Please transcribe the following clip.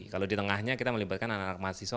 kalau di tengahnya kita melibatkan anak anak mahasiswa